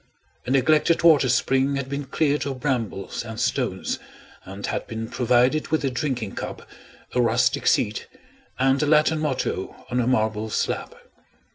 A neglected water spring had been cleared of brambles and stones, and had been provided with a drinking cup, a rustic seat, and a Latin motto on a marble slab.